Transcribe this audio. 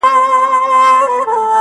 چي پر اوښ دي څه بار کړي دي څښتنه٫